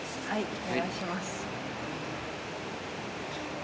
はい。